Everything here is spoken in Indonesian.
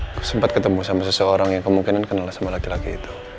aku sempat ketemu sama seseorang yang kemungkinan kenal sama laki laki itu